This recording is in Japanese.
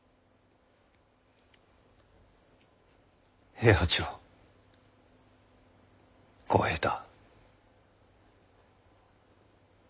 平八郎小平太。